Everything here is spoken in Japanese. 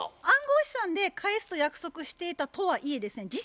暗号資産で返すと約束していたとはいえですね